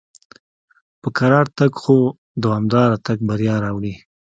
په کراره تګ خو دوامدار تګ بریا راوړي.